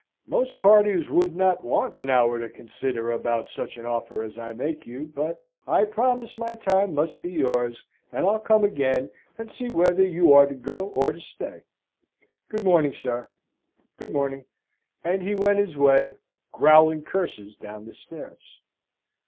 "Most parties would not want an hour to consider about such an offer as I make you: but I suppose my time must be yours, and I'll come again, and see whether you are to go or to stay. Good morning, sir, good morning:" and he went his way, growling curses down the stairs.